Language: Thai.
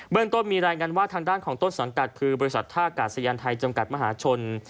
เรื่องต้นมีรายงานว่าทางด้านของต้นสังกัดคือบริษัทท่ากาศยานไทยจำกัดมหาชน